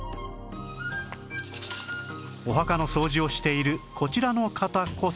お墓の掃除をしているこちらの方こそ